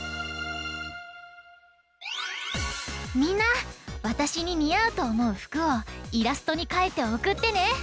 みんなわたしににあうとおもうふくをイラストにかいておくってね！